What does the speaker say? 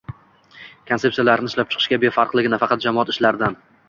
konsepsiyalarini ishlab chiqishga befarqligi, nafaqat jamoat ishlaridan